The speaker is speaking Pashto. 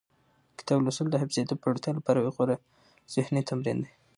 کتاب لوستل د حافظې د پیاوړتیا لپاره یو غوره ذهني تمرین دی.